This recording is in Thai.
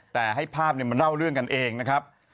แต่ให้ภาพมันเล่าเรื่องกันเองนะครับ